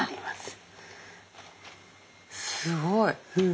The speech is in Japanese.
わすごい。